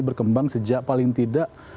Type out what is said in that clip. berkembang sejak paling tidak